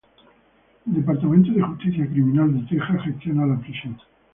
El Departamento de Justicia Criminal de Texas gestiona la prisión.